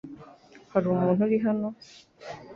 Hari umuntu uri hano?